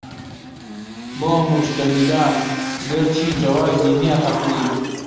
بۆ موجتەهیدان گەرچی جەوازی نییە تەقلید